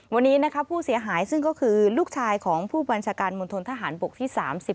วันนี้นะคะผู้เสียหายซึ่งก็คือลูกชายของผู้บัญชาการมณฑนทหารบกที่๓๑